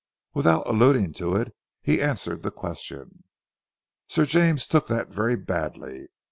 Without alluding to it he answered the question. "Sir James took that very badly.